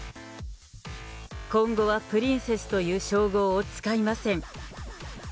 今後はプリンセスという称号を使いません。